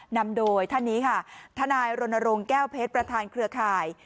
นำโดยท่านนี้ค่ะทนายรณรงค์แก้วเพชรประธานเครือข่าย